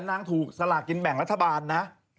นางถูกสลากินแบ่งรัฐบาลนะ